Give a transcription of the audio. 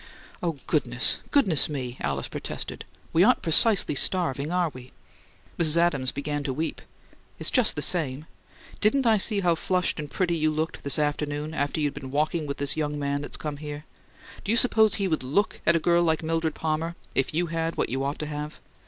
"Oh, goodness, goodness me!" Alice protested. "We aren't precisely 'starving,' are we?" Mrs. Adams began to weep. "It's just the same. Didn't I see how flushed and pretty you looked, this afternoon, after you'd been walking with this young man that's come here? Do you suppose he'd LOOK at a girl like Mildred Palmer if you had what you ought to have?